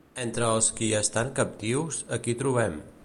Entre els qui estan captius, a qui trobem?